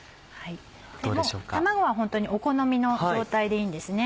卵は本当にお好みの状態でいいんですね。